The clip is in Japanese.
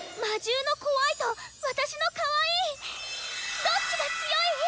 魔獣の「怖い」と私の「かわいい」どっちが強い？